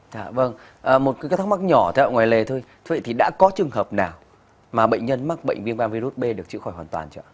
dạ vâng một cái thắc mắc nhỏ thưa ạ ngoài lề thôi thưa ạ thì đã có trường hợp nào mà bệnh nhân mắc bệnh viên van virus b được chữa khỏi hoàn toàn chưa ạ